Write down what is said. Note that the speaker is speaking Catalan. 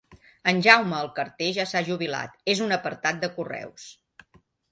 En Jaume el carter ja s'ha jubilat, és un apartat de correus.